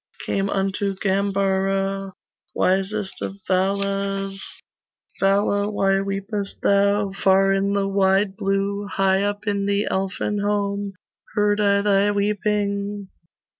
Came unto Gambara, Wisest of Valas 'Vala, why weepest thou Far in the wide blue, High up in the Elfin home, Heard I thy weeping.